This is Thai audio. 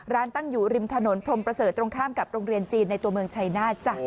ตั้งอยู่ริมถนนพรมประเสริฐตรงข้ามกับโรงเรียนจีนในตัวเมืองชัยนาธจ้ะ